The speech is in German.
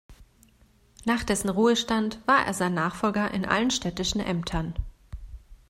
Nach dessen Ruhestand war er sein Nachfolger in allen städtischen Ämtern.